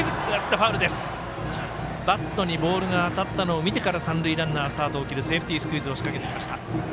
バットにボールが当たったのを見てから三塁ランナー、スタートを切るセーフティースクイズを仕掛けてきました。